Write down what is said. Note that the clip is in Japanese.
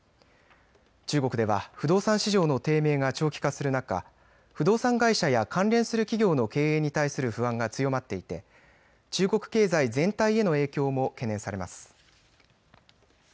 中国では不動産市場の低迷が長期化する中、不動産会社や関連する企業の経営に対する不安が強まっていて中国経済全体への影響も懸念されます。